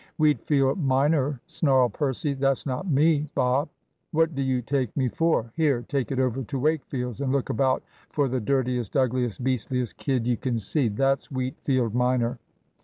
"Wheatfield minor," snarled Percy; "that's not me, Bob. What do you take me for! Here, take it over to Wakefield's, and look about for the dirtiest, ugliest, beastliest kid you can see. That's Wheatfield minor."